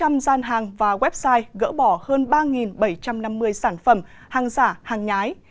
không gian hàng và website gỡ bỏ hơn ba bảy trăm năm mươi sản phẩm hàng giả hàng nhái